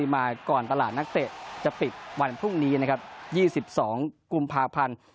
มาก่อนตลาดนักเตะจะปิดวันพรุ่งนี้นะครับ๒๒กุมภาพันธ์